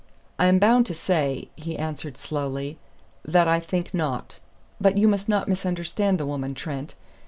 "I am bound to say," he answered slowly, "that I think not. But you must not misunderstand the woman, Trent.